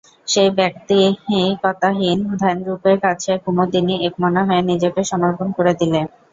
সেই ব্যক্তিকতাহীন ধ্যানরূপের কাছে কুমুদিনী একমনা হয়ে নিজেকে সমর্পণ করে দিলে।